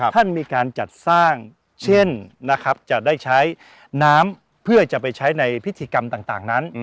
ท่านมีการจัดสร้างเช่นนะครับจะได้ใช้น้ำเพื่อจะไปใช้ในพิธีกรรมต่างนั้น